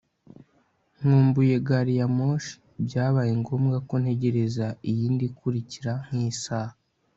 nkumbuye gari ya moshi, byabaye ngombwa ko ntegereza iyindi ikurikira nk'isaha